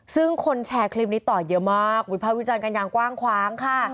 ซึ่งคนแชร์คลิปนี้ต่อเยอะมากวิภาควิจารณ์กันอย่างกว้างขวางค่ะ